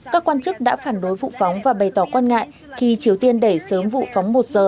các quan chức đã phản đối vụ phóng và bày tỏ quan ngại khi triều tiên đẩy sớm vụ phóng một giờ